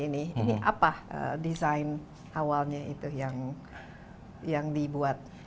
ini apa desain awalnya itu yang dibuat